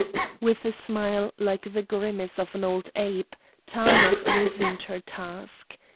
With a smile like the grimace of an old ape, Taanach resumed her task.